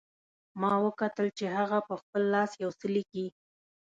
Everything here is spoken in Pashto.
ما وکتل چې هغه په خپل لاس یو څه لیکي